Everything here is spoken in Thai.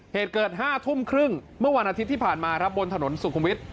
เหตุเกิด๕ทุ่มครึ่งเมื่อวันอาทิตย์ที่ผ่านมาครับบนถนนสุขุมวิทย